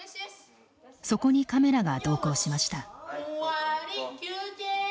そこにカメラが同行しました。